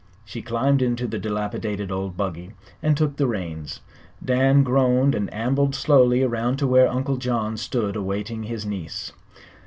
She climbed into the dilapidated old buggy and took the reins. Dan groaned and ambled slowly around to where Uncle John stood awaiting his niece.